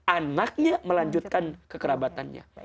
anaknya melanjutkan kekerabatannya